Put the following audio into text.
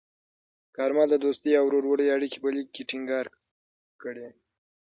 کارمل د دوستۍ او ورورولۍ اړیکې په لیک کې ټینګار کړې.